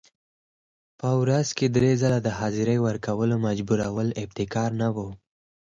په ورځ کې درې ځله د حاضرۍ ورکولو مجبورول ابتکار نه و.